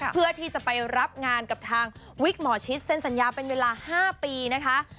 เพื่อที่จะไปรับงานกับทางวิกหมอชิดเซ็นสัญญาเป็นเวลา๕ปีนะคะ